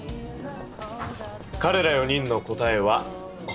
かれら４人の答えはこれ。